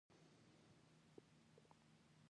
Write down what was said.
د پارکینسن لپاره د لوبیا اوبه وکاروئ